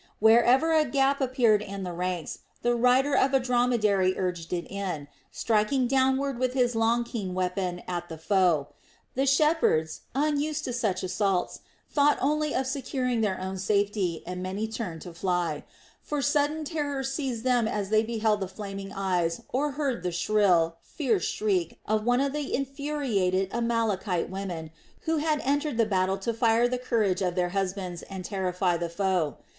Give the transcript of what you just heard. Wherever a gap appeared in the ranks the rider of a dromedary urged it in, striking downward with his long keen weapon at the foe. The shepherds, unused to such assaults, thought only of securing their own safety, and many turned to fly; for sudden terror seized them as they beheld the flaming eyes or heard the shrill, fierce shriek of one of the infuriated Amalekite women, who had entered the battle to fire the courage of their husbands and terrify the foe.